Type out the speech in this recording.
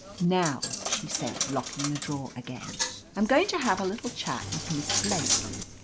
Now," she said, locking the drawer again, I'm going to have a little chat with Miss Blake.